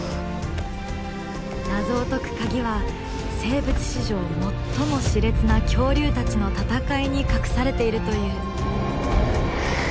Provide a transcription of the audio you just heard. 謎を解くカギは生物史上最もしれつな恐竜たちの戦いに隠されているという。